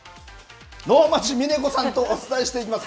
能町みね子さんとお伝えしていきます。